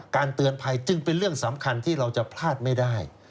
เตือนภัยจึงเป็นเรื่องสำคัญที่เราจะพลาดไม่ได้